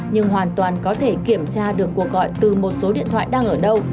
nhưng hoàn toàn có thể kiểm tra được cuộc gọi từ một số điện thoại đang ở đâu